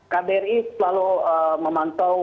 kbri selalu memantau